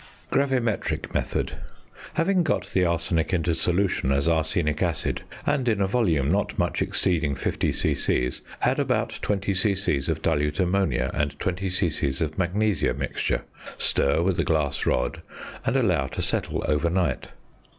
GRAVIMETRIC METHOD. Having got the arsenic into solution as arsenic acid, and in a volume not much exceeding 50 c.c., add about 20 c.c. of dilute ammonia and 20 c.c. of "magnesia mixture." Stir with a glass rod, and allow to settle overnight.